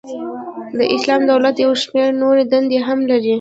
د اسلامی دولت یو شمیر نوري دندي هم لري.